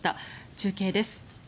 中継です。